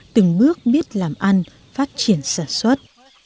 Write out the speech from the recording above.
từng bước biết làm ăn phát triển sản xuất